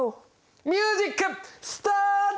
ミュージックスタート！